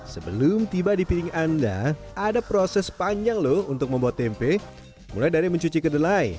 sebelum tiba di piring anda ada proses panjang loh untuk membuat tempe mulai dari mencuci kedelai